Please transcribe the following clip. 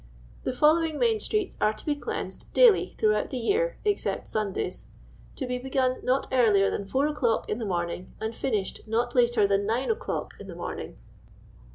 " The following main Streets are to be cleansed DAILY throughout the year (except Sundays), to be begun not earlier than 4 o'Clock in the morning, and finished not later than 9 o'Clock in the morning.